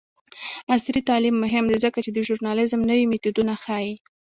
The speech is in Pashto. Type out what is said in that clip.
عصري تعلیم مهم دی ځکه چې د ژورنالیزم نوې میتودونه ښيي.